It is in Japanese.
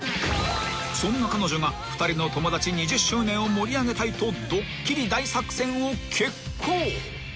［そんな彼女が２人の友達２０周年を盛り上げたいとドッキリ大作戦を決行］